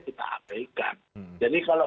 kita aplikan jadi kalau